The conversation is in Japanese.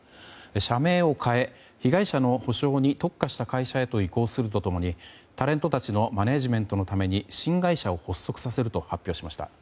社名を変え被害者の補償に特化した会社へと移行すると共にタレントたちのマネジメントのために新会社を発足させると発表しました。